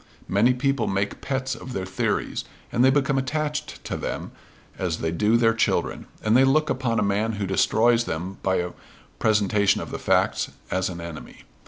Many people make pets of their theories; and they become attached to them as they do their children; and they look upon a man who destroys them by a presentation of the facts as an enemy.